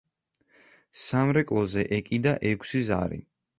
სამრეკლოზე ეკიდა ექვსი ზარი.